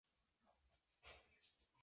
Llegó a ser gobernador militar de Almería.